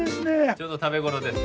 ちょうど食べ頃です。